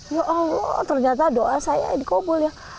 ya allah ternyata doa saya dikubul ya